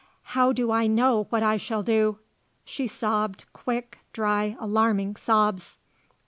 How do I know what I shall do?" She sobbed, quick, dry, alarming sobs.